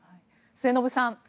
末延さん